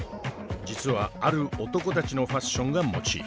実はある男たちのファッションがモチーフ。